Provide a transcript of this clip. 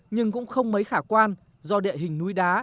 nhưng cũng không mấy khả quan do địa hình núi đá